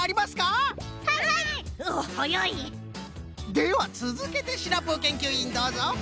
ではつづけてシナプーけんきゅういんどうぞ！